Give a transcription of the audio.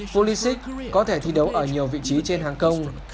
pulisic có thể thi đấu ở nhiều vị trí trên hàng công